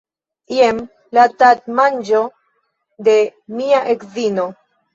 Jen la tagmanĝo de mia edzino